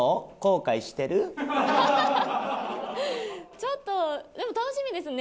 ちょっとでも楽しみですね。